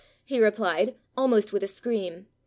he replied, almost with a scream.